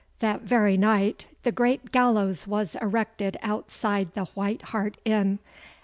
That very night the great gallows was erected outside the White Hart inn.